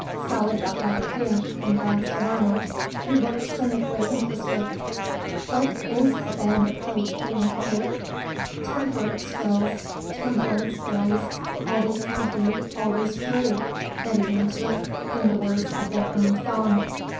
Sally got rather pink, and glanced at Arnold, who looked cynically interested. "What is the Band of Hope?" he inquired. "Temperance girls, temperance boys, always happy, always free," Eddy answered, in the words of their own song.